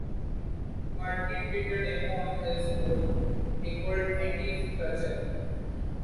"Martin did the demo on his own," recalled Andy Fletcher.